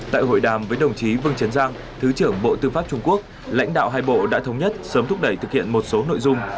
tại hội đàm với đồng chí vương trấn giang thứ trưởng bộ tư pháp trung quốc lãnh đạo hai bộ đã thống nhất sớm thúc đẩy thực hiện một số nội dung